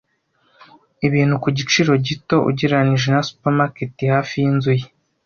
ibintu ku giciro gito ugereranije na supermarket hafi yinzu ye.